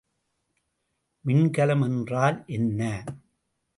மின்கலம் என்றால் என்ன?